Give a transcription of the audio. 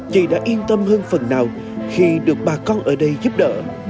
chị đã yên tâm hơn phần nào khi được bà con ở đây giúp đỡ